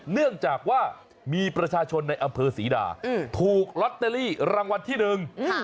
เนื่องจากว่ามีประชาชนในอำเภอศรีดาถูกลอตเตอรี่รางวัลที่หนึ่ง